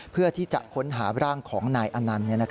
เพื่อที่จะค้นหาร่างของนายอนันต์